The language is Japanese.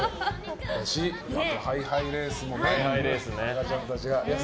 あとハイハイレースも赤ちゃんたちが。